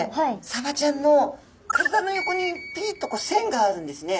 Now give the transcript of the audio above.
サバちゃんの体の横にピッとこう線があるんですね。